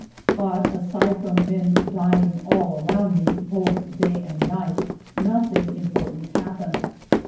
But, aside from men dying all around me, both day and night, nothing important happened.